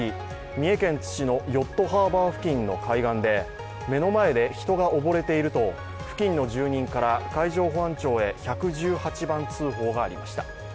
三重県津市のヨットハーバー付近の海岸で目の前で人が溺れていると付近の住人から海上保安庁へ１１８番通報がありました。